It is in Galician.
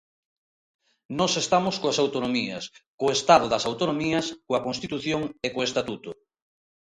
Nós estamos coas autonomías, co Estado das autonomías, coa Constitución e co Estatuto.